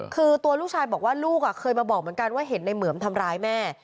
คือตัวลูกชายบอกว่าลูกเคยมาบอกเหมือนกันว่าเห็นในเหมือมทำร้ายแม่